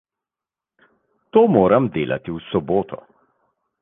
To moram delati v soboto.